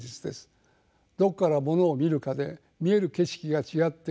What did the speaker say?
どこからものを見るかで見える景色が違ってくる。